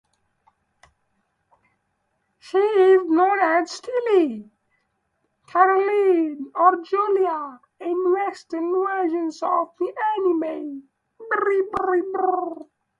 She is known as "Stilly," "Caroline," or "Julie" in Western versions of the anime.